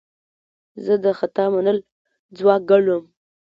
زه د خطا منل ځواک ګڼم.